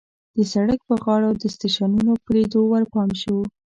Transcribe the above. د سړک په غاړو د سټېشنونو په لیدو ورپام شو.